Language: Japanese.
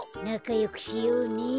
なかよくしようね。